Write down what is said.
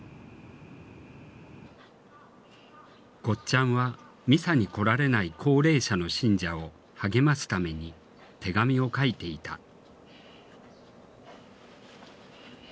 ゴッちゃんはミサに来られない高齢者の信者を励ますために手紙を書いていた。